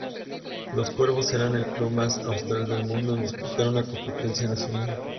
Los Cuervos serán el club más austral del mundo en disputar una competencia nacional.